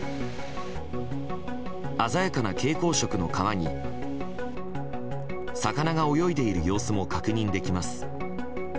鮮やかな蛍光色の川に魚が泳いでいる様子も確認できます。